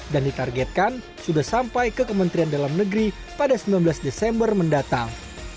dan ditargetkan sudah sampai ke kementerian dalam negeri pada sembilan belas desember mendatang